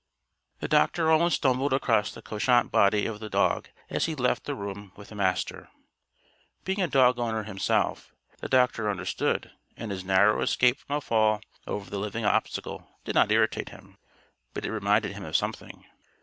The doctor almost stumbled across the couchant body of the dog as he left the room with the Master. Being a dog owner himself, the doctor understood and his narrow escape from a fall over the living obstacle did not irritate him. But it reminded him of something.